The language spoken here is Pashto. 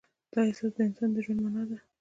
دا احساس د انسان د ژوند معنی ده.